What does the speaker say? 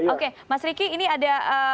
oke mas riki ini ada